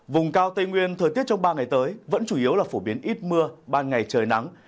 vùng cao tây nguyên thời tiết trong ba ngày tới vẫn chủ yếu là phổ biến ít mưa ban ngày trời nắng